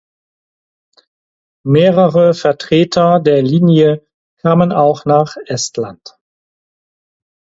Mehrere Vertreter der Linie kamen auch nach Estland.